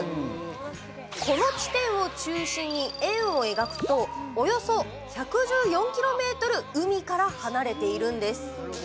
この地点を中心に、円を描くとおよそ１１４ｋｍ海から離れているんです。